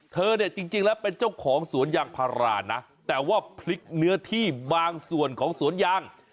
เธอเนี่ยจริงแล้วเป็นเจ้าของสวนยางพารานะแต่ว่าพลิกเนื้อที่บางส่วนของสวนยาง